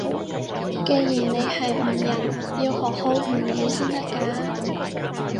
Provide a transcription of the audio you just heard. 既然你係吳人，要學好吳語先得㗎